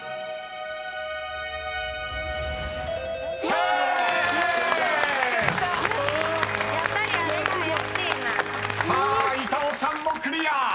［さあ板尾さんもクリア］